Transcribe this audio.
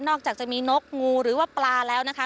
จากจะมีนกงูหรือว่าปลาแล้วนะคะ